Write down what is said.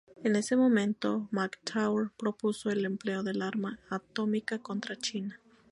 En ese momento, MacArthur propuso el empleo del arma atómica contra China.